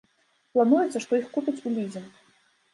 Плануецца, што іх купяць у лізінг.